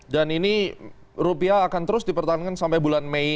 dan ini rupiah akan terus dipertahankan sampai bulan mei